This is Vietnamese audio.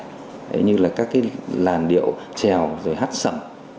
như là các cái làn điệu trèo rồi hát sẩm